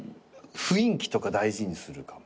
雰囲気とか大事にするかも。